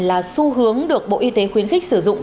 là xu hướng được bộ y tế khuyến khích sử dụng